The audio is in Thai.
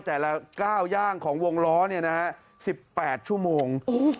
แต่ละก้าวย่างของวงล้อ๑๘ชั่วโมง